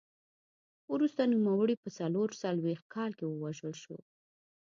وروسته نوموړی په څلور څلوېښت کال کې ووژل شو